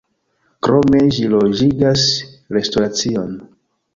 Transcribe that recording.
Krome ĝi loĝigas restoracion.